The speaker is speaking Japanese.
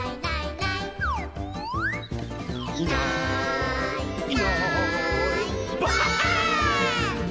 「いないいないばあっ！」